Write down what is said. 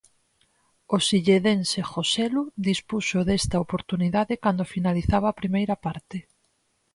O silledense Joselu dispuxo desta oportunidade cando finalizaba a primeira parte.